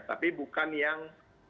tapi bukan yang